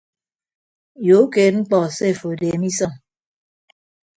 Ye ukeed mkpọ se afo adeeme isọn.